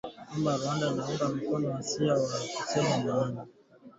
kwamba Rwanda inaunga mkono waasi hao na kusema maana